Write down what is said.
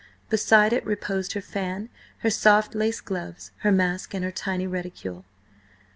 Beside it reposed her fan, her soft lace gloves, her mask and her tiny reticule.